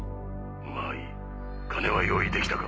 まあいい金は用意できたか？